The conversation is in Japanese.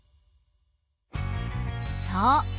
そう。